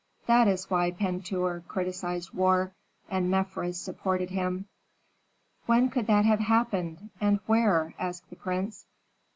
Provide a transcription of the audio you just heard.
That is why Pentuer criticised war, and Mefres supported him. "When could that have happened, and where?" asked the prince.